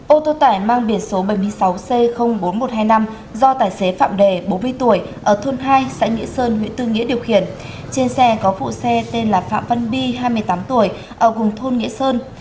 ô tô tải mang biển số bảy mươi sáu c bốn nghìn một trăm hai mươi năm do tài xế phạm đề bốn mươi tuổi ở thôn hai xã nghĩa sơn huyện tư nghĩa điều khiển trên xe có phụ xe tên là phạm văn bi hai mươi tám tuổi ở vùng thôn nghĩa sơn